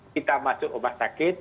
kita masuk obat sakit